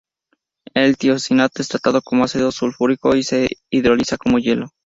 El tiocianato es tratado con ácido sulfúrico y se hidroliza con hielo.